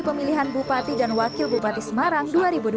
pemilihan bupati dan wakil bupati semarang